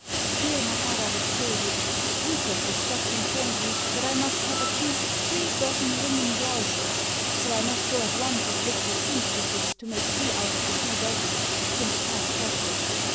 DEAR MAKAR ALEXIEVITCH, Bwikov has just informed me that I must have at least three dozen linen blouses; so I must go at once and look for sempstresses to make two out of the three dozen, since time presses.